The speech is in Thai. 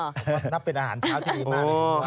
ก็นับเป็นอาหารเช้าจะดีมาก